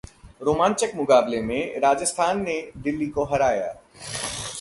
रोमांचक मुकाबले में राजस्थान ने दिल्ली को हराया